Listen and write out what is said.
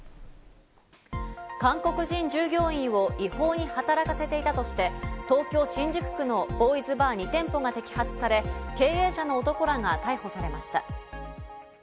韓国人従業員を違法に働かせていたとして、東京・新宿区のボーイズバーに２店舗が摘発され、経営者の男らが逮捕されました。